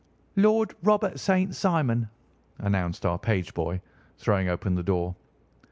"Lord Robert St. Simon," announced our page boy, throwing open the door.